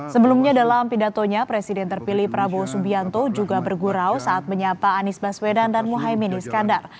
sebelumnya dalam pidatonya presiden terpilih prabowo subianto juga bergurau saat menyapa anies baswedan dan muhaymin iskandar